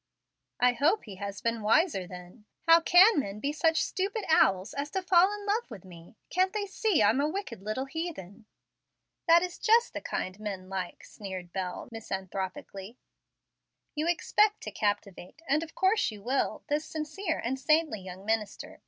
"I hope he has been wiser, then. How can men be such stupid owls as to fall in love with me! Can't they see I'm a wicked little heathen?" "That is just the kind men like," sneered Bel, misanthropically. "You expect to captivate (and of course you will) this sincere and saintly young minister.